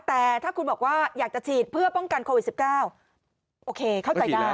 แต่ถ้าคุณบอกว่าอยากจะฉีดเพื่อป้องกันโควิด๑๙โอเคเข้าใจได้